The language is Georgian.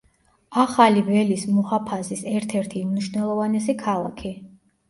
ახალი ველის მუჰაფაზის ერთ-ერთი უმნიშვნელოვანესი ქალაქი.